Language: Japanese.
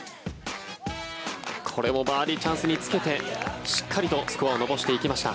これもバーディーチャンスにつけてしっかりとスコアを伸ばしていきました。